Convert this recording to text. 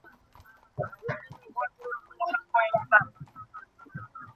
তারপর তারা বলল, আমরা আল্লাহর উপর নির্ভর করলাম।